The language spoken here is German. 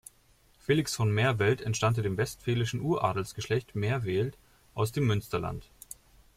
Felix von Merveldt entstammte dem westfälischen Uradels-Geschlecht Merveldt aus dem Münsterland.